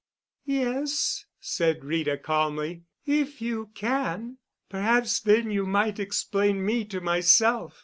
"Yes," said Rita calmly, "if you can. Perhaps then you might explain me to myself.